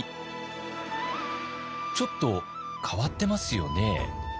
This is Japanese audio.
ちょっと変わってますよね。